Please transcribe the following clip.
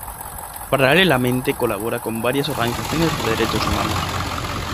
Paralelamente colabora con varias organizaciones de derechos humanos.